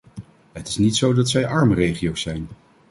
Het is niet zo dat zij arme regio's zijn.